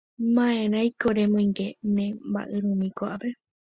Ma'erãiko remoinge ne mba'yrumýi ko'ápe